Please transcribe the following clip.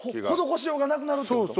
施しようがなくなるってこと？